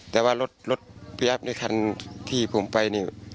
แต่ว่ารถพยาบาลในคันที่ผมไป